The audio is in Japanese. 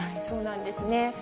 そうなんですね。